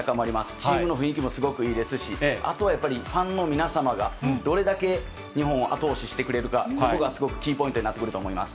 チームの雰囲気もすごくいいですし、あとはやっぱり、ファンの皆様がどれだけ日本を後押ししてくれるか、ここがすごくキーポイントになってくると思います。